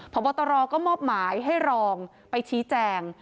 พบตรก็มอบหมายให้รองไปชี้แจง